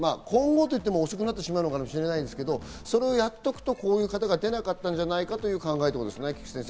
今後といっても遅くなってしまうかもしれないですけど、やっておくとこういう方が出なかったんじゃないかという考えということですね、菊地先生。